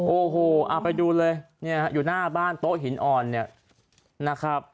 โอ้โหไปดูเลยอยู่หน้าบ้านโต๊ะหินอ่อน